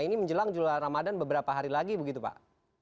ini menjelang ramadan beberapa hari lagi begitu pak